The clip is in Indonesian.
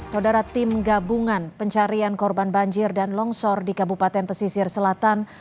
saudara tim gabungan pencarian korban banjir dan longsor di kabupaten pesisir selatan